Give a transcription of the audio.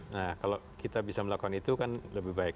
nah kalau kita bisa melakukan itu kan lebih baik